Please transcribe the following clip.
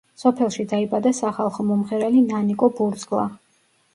სოფელში დაიბადა სახალხო მომღერალი ნანიკო ბურძგლა.